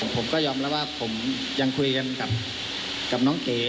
ผมก็ยอมรับว่าผมยังคุยกันกับน้องเก๋